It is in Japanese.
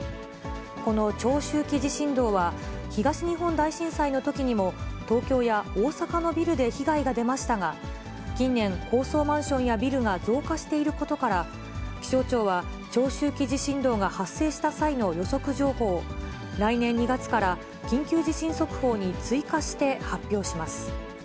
この長周期地震動は、東日本大震災のときにも、東京や大阪のビルで被害が出ましたが、近年、高層マンションやビルが増加していることから、気象庁は、長周期地震動が発生した際の予測情報を、来年２月から緊急地震速報に追加して発表します。